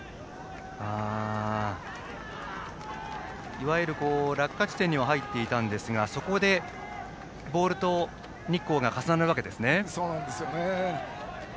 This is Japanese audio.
いわゆる、落下地点には入っていたんですがそこでボールと日光が重なるわけですね。